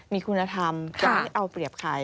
มีคุณธรรมจะไม่เอาเปรียบใคร